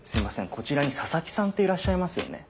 こちらに佐々木さんっていらっしゃいますよね？